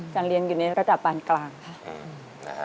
เรียนอยู่ในระดับปานกลางค่ะ